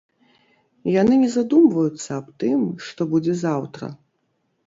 Яны не задумваюцца аб тым, што будзе заўтра.